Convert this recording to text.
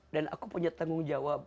dan aku punya tanggung jawab